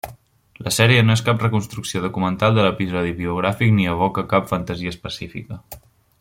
La sèrie no és cap reconstrucció documental de l'episodi biogràfic ni evoca cap fantasia específica.